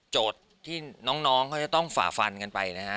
ที่น้องเขาจะต้องฝ่าฟันกันไปนะฮะ